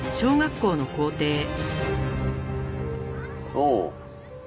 おう。